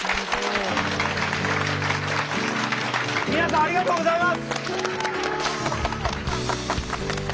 ありがとうございます！